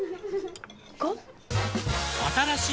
５？